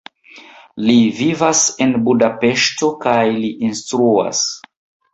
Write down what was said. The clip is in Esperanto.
Li vivas en Budapeŝto kaj li instruas.